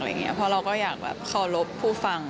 เพราะเราก็อยากเคารพผู้ฟัง